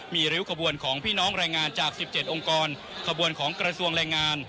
มีริ้วขบวนของพี่น้องแรงงานจาก๑๗องค์กรขบวนของกระทรวงแรงงาน